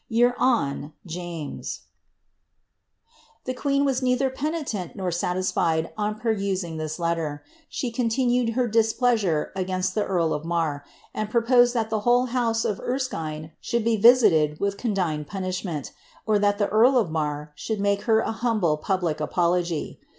Your awn The queen was neither penitent nor satisfied on perusing this letter ; she continued her displeasure against the earl of Marr, and proposed that the whole house of Erskine should be visited with condign punishment, or that the earl of Marr should make her a humble public apology.